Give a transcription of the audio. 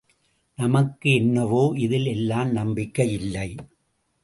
நமக்கு என்னவோ இதில் எல்லாம் நம்பிக்கை இல்லை!